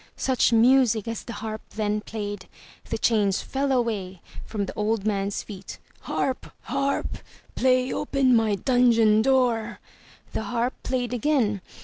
Such music as the Harp then played! The chains fell away from the old man's feet. ''Harp! Harp! Play open my dungeon door!" The Harp played again.